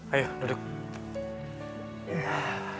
aku kena kecewa